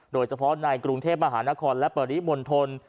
โดยเฉพาะในกรุงเทพมหานครและปริมณฑล